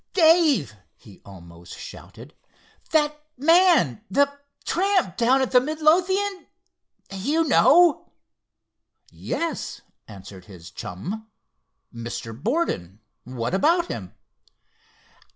"Dave," he almost shouted, "that man—the tramp down at the Midlothian—you know—" "Yes," answered his chum, "Mr. Borden—what about him?"